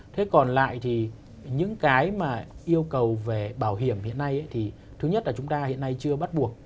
thế còn lại thì những cái mà yêu cầu về bảo hiểm hiện nay thì thứ nhất là chúng ta hiện nay chưa bắt buộc